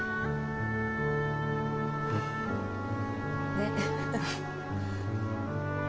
ねっ？